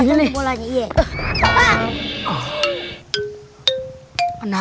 kenapa tuh aku ini